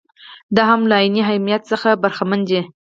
دا هم له عیني اهمیت څخه برخمن دي.